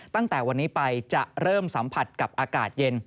ตั้งแต่วันนี้ไปจะเริ่มสัมผัสกับอากาศเย็น